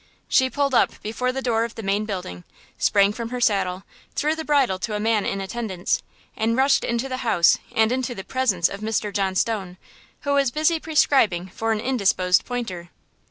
She pulled up before the door of the main building, sprang from her saddle, threw the bridle to a man in attendance, and rushed into the house and into the presence of Mr. John Stone, who was busy prescribing for an indisposed pointer.